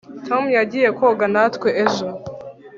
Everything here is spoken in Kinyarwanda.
tom yagiye koga natwe ejo